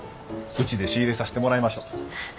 うちで仕入れさしてもらいましょ。